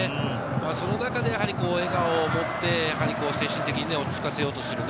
その中で笑顔を持って、精神的に落ち着かせようとする。